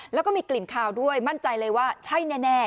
แล้วก็มีกลิ่นคาวด้วยมั่นใจเลยว่าใช่แน่